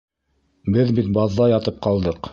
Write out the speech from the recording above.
Беҙ бит баҙҙа ятып ҡалдыҡ!